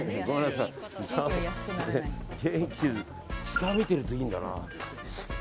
下見てるといいんだな。